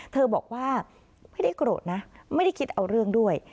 เธอบอกว่าไม่ได้โกรธนะไม่ได้คิดเอาเรื่องด้วย